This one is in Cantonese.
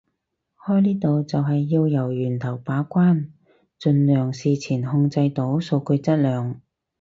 開呢度就係要由源頭把關盡量事前控制到數據質量